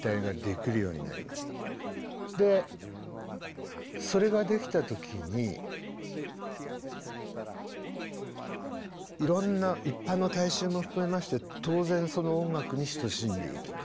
でそれができた時にいろんな一般の大衆も含めまして当然その音楽に親しんでいきます。